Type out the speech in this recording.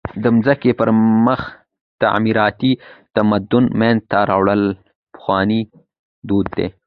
د مځکي پر مخ تعمیراتي تمدن منځ ته راوړل پخوانى دود دئ.